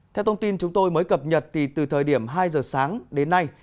theo thông tin chúng tôi mới cập nhật thì từ thời điểm hai giờ sáng đến nay